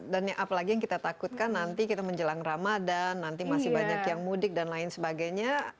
dan apalagi yang kita takutkan nanti kita menjelang ramadhan nanti masih banyak yang mudik dan lain sebagainya